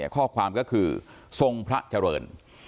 ข้อความก็คือทรงพระเจริญ